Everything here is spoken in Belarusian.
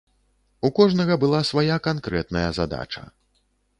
У кожнага была свая канкрэтная задача.